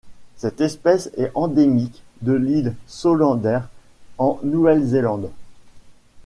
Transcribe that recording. Cette espèce est endémique de l'île Solander en Nouvelle-Zélande.